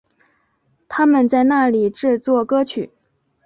他们在那里制作歌曲。